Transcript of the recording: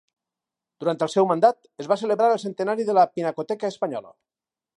Durant el seu mandat es va celebrar el centenari de la pinacoteca espanyola.